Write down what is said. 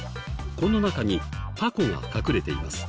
この中にタコが隠れています。